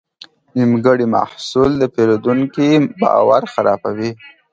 نیمګړی محصول د پیرودونکي باور خرابوي.